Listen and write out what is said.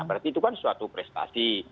berarti itu kan suatu prestasi